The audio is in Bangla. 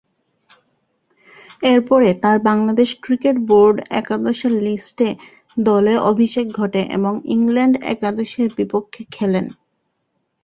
এরপরে তার বাংলাদেশ ক্রিকেট বোর্ড একাদশের লিস্ট এ দলে অভিষেক ঘটে এবং ইংল্যান্ড একাদশের বিপক্ষে খেলেন।